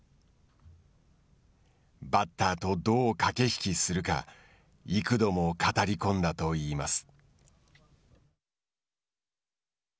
バッターとどう駆け引きするか幾度も語り込んだといいます。